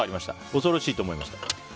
恐ろしいと思いました。